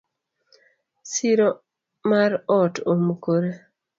Siro mar ot omukore.